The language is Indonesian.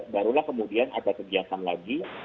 barulah kemudian ada kegiatan lagi